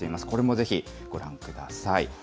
これもぜひご覧ください。